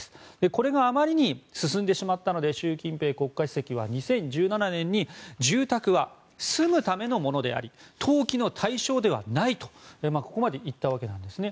これがあまりに進んでしまったので習近平国家主席は２０１７年に住宅は住むためのものであり投機の対象ではないとここまで言ったわけなんです。